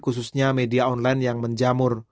khususnya media online yang menjamur